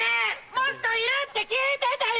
⁉もっといるって聞いてたよ！